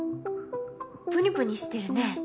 プニプニしてるね。